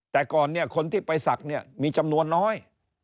แต่ก่อนเนี่ยคนที่ไปศักดิ์เนี่ยมีจำนวนน้อย